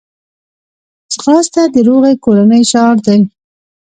ځغاسته د روغې کورنۍ شعار دی